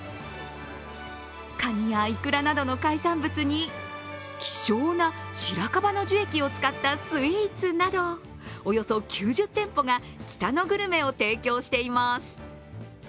かにやいくらなどの海産物に希少な白樺の樹液を使ったスイーツなどおよそ９０店舗が北のグルメを提供しています。